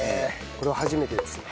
これは初めてですね。